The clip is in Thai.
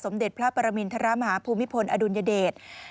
เด็จพระปรมินทรมาฮภูมิพลอดุลยเดช